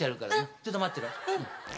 ちょっと待ってろ。